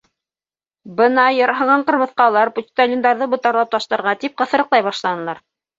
Бына ярһыған ҡырмыҫҡалар почтальондарҙы ботарлап ташларга тип, ҡыҫырыҡлай башланылар.